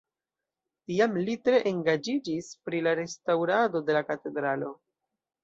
Tiam li tre engaĝiĝis pri la restaŭrado de la katedralo.